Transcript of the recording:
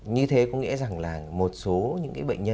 như thế có nghĩa rằng là một số những bệnh nhân